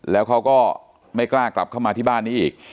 แล้วเขาก็ไม่กล้ากลับเข้ามาที่บ้านนี้อีก